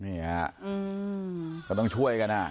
นี่ฮะก็ต้องช่วยกัน